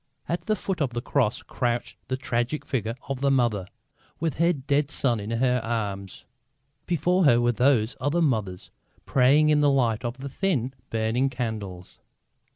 At the foot of the Cross crouched the tragic figure of the Mother, with her dead Son in her arms. Before her were these other mothers, praying in the light of the thin burning candles.